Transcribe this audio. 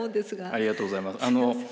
ありがとうございます。